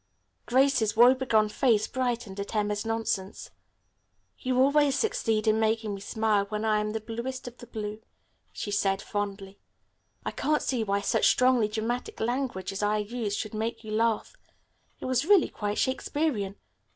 Grace's woe be gone face brightened at Emma's nonsense. "You always succeed in making me smile when I am the bluest of the blue," she said fondly. "I can't see why such strongly dramatic language as I used should make you laugh. It was really quite Shakespearian.